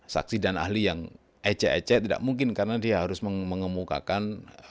saksi dan ahli yang ecek ecek tidak mungkin karena dia harus mengemukakan